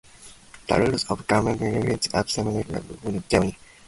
The rules of grant remained the same since the Liu Song dynasty.